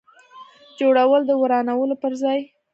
جوړول د ورانولو پر ځای.